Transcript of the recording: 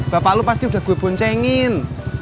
bapak lo pasti udah gue boncengin